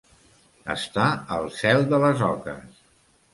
Estar al cel de les oques.